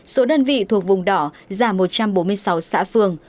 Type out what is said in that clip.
số đơn vị thuộc vùng đỏ giảm một trăm bốn mươi sáu xã phường